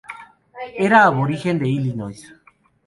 Era aborigen de Illinois.